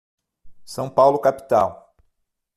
São Paulo capital.